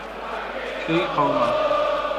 کەی قەوما؟